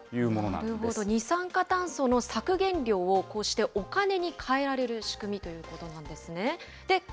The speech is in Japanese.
なるほど、二酸化炭素の削減量をこうしてお金に換えられる仕組みということなんですね。